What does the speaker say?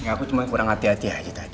aku cuma kurang hati hati aja tadi